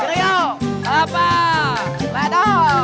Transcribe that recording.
ciriom kapa ladong